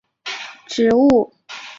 海马齿为番杏科海马齿属的植物。